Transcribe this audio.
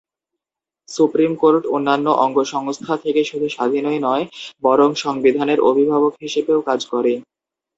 Supreme court অন্যান্য অঙ্গসংস্থা থেকে শুধু স্বাধীনই নয়, বরং সংবিধানের অভিভাবক হিসেবেও কাজ করে।